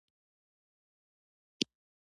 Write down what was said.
زه او ډاکټره بشرا هم ورښکته شولو.